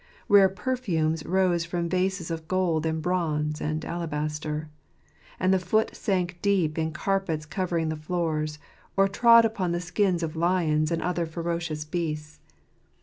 Rare perfumes rose from vases of gold and bronze and alabaster j and the foot sank deep in carpets covering the floors, or trod upon the skins of lions and other ferocious beasts.